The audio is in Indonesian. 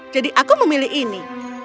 jadi aku memilih ini